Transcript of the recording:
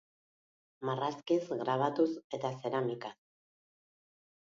Marrazkiz, grabatuz eta zeramikaz.